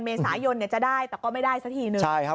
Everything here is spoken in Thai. เมษายนจะได้แต่ก็ไม่ได้สักทีหนึ่ง